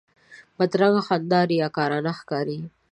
بدرنګه خندا ریاکارانه ښکاري